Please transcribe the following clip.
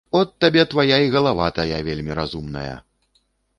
От табе твая і галава тая вельмі разумная.